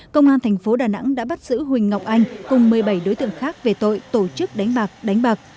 công an thành phố đà nẵng đã bắt giữ huỳnh ngọc anh cùng một mươi bảy đối tượng khác về tội tổ chức đánh bạc đánh bạc